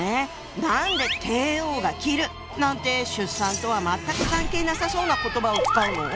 何で「帝王が切る」なんて出産とは全く関係なさそうな言葉を使うの？